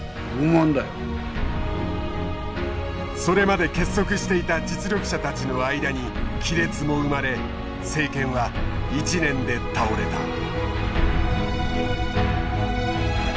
それまで結束していた実力者たちの間に亀裂も生まれ政権は１年で倒れた。